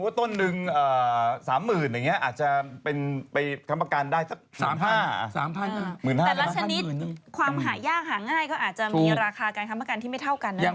ก็เมื่อกี้แบบกับธนาคารถูกไหมคะที่ตามข่าว